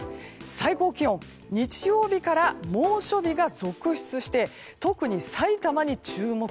最高気温日曜日から猛暑日が続出して特にさいたまに注目。